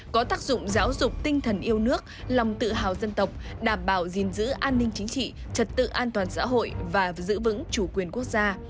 có tác dụng giáo dục tinh thần yêu nước lòng tự hào dân tộc đảm bảo gìn giữ an ninh chính trị trật tự an toàn xã hội và giữ vững chủ quyền quốc gia